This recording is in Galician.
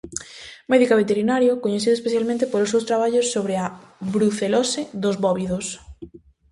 Médico e veterinario, coñecido especialmente polos seus traballos sobre a brucelose dos bóvidos.